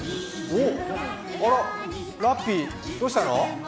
あら、ラッピー、どうしたの？